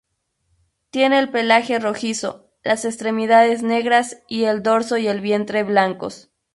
Tiene el pelaje rojizo, las extremidades negras y el dorso y el vientre blancos.